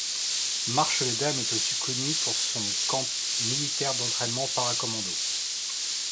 Marche-les-Dames est aussi connue pour son camp militaire d'entrainement para-commandos.